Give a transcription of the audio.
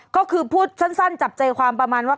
ก็คือพูดสั้นจับใจความประมาณว่า